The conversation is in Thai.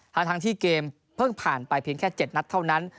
ทั้งที่เกมเพิ่งผ่านไปเพียงแค่๗นัดเท่านั้น